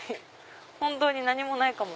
本当に何もないかも。